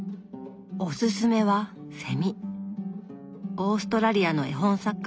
オーストラリアの絵本作家